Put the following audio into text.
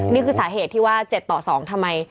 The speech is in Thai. นี่คือสาเหตุที่ว่า๗ต่อ๒ทำไม